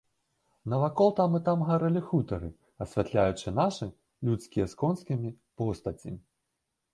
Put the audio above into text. Навакол там і там гарэлі хутары, асвятляючы нашы, людскія з конскімі, постаці.